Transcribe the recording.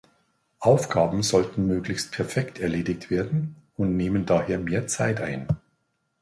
Aufgaben sollen möglichst perfekt erledigt werden und nehmen daher mehr Zeit ein.